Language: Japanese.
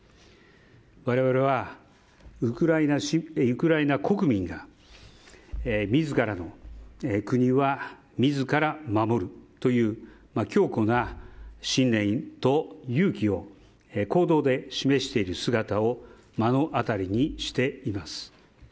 我々は、ウクライナ国民が自らの国は、自ら守るという強固な信念と勇気を行動で示している姿を目の当たりにしています。